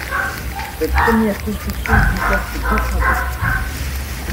Cette première construction comporte deux travées.